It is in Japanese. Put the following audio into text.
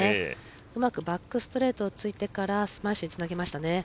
うまくバックストレートをついてからスマッシュにつなげましたね。